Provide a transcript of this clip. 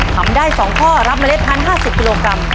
ทำได้๒ข้อรับเล็ดพัน๕๐กิโลกรัม